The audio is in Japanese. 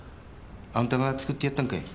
あんたが作ってやったんかい？